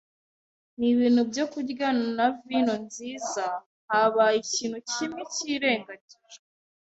nibintu byo kurya, na vino nziza, habaye ikintu kimwe cyirengagijwe - twe